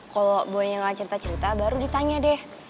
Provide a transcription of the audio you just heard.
kalau boynya gak cerita cerita baru ditanya deh